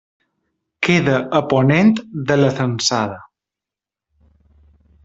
Queda a ponent de la Censada.